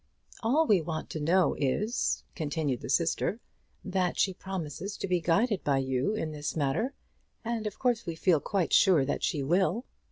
"All we want to know is," continued the sister, "that she promises to be guided by you in this matter; and of course we feel quite sure that she will."